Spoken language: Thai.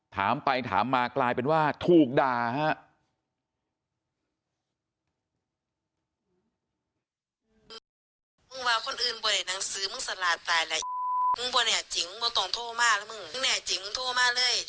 ถามไปถามมากลายเป็นว่าถูกด่าฮะ